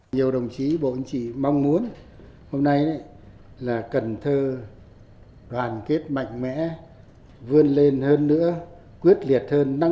nhiều đồng chí bộ ứng chỉ mong muốn hôm nay là cần thơ đoàn kết mạnh mẽ vươn lên hơn nữa